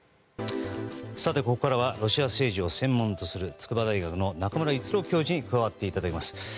ここからはロシア政治を専門とする筑波大学の中村逸郎教授に加わっていただきます。